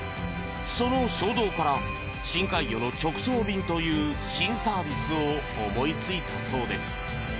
その衝動から深海魚の直送便という新サービスを思いついたそうです。